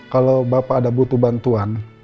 kalau bapak ada butuh bantuan